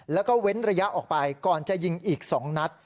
แล้วก็เว้นระยะออกไปก่อนจะยิงอีก๒นัด